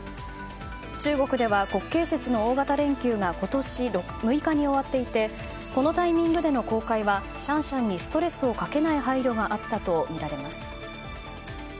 中国では国慶節の大型連休が今月６日に終わっていてこのタイミングでの公開はシャンシャンにストレスをかけない配慮があったとみられます。